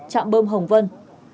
trạm bơm hồng vân